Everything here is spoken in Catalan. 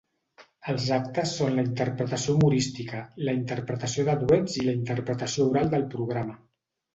Els actes són la interpretació humorística, la interpretació de duets i la interpretació oral del programa.